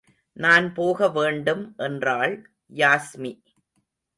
நான் போக வேண்டும் என்றாள் யாஸ்மி.